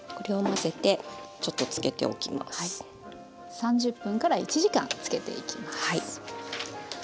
３０分１時間漬けていきます。